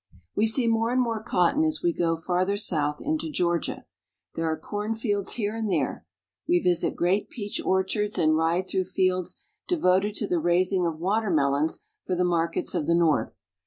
WE see more and more cotton as we go farther south into Georgia. There are cornfields here and there. We visit great peach orchards, and ride through fields devoted to the raising of watermelons for the markets of the North.